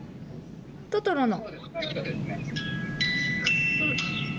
トトロの。